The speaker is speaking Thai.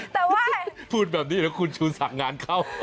แต่ว่าคุณชูสักงานเข้า